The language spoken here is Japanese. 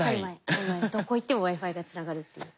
どこ行ってもＷｉ−Ｆｉがつながるっていう。